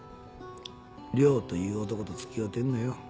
涼という男とつきおうてんのよ。